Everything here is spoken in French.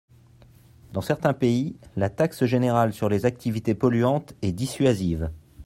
Dans certains pays, la taxe générale sur les activités polluantes est dissuasive.